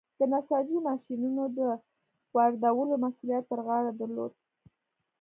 د نساجۍ ماشینونو د واردولو مسوولیت پر غاړه درلود.